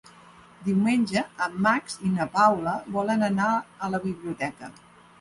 Diumenge en Max i na Paula volen anar a la biblioteca.